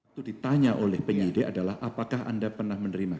itu ditanya oleh penyidik adalah apakah anda pernah menerima